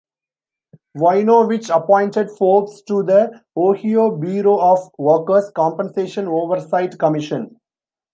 Voinovich appointed Forbes to the Ohio Bureau of Workers' Compensation oversight commission.